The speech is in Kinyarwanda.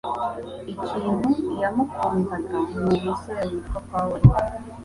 Ikintu yamukundaga ni umusore witwa Pawulo